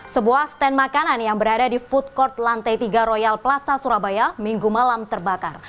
sebuah stand makanan yang berada di food court lantai tiga royal plaza surabaya minggu malam terbakar